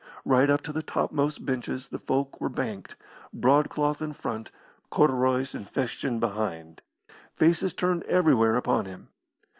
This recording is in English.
Right up to the topmost benches the folk were banked broadcloth in front, corduroys and fustian behind; faces turned everywhere upon him.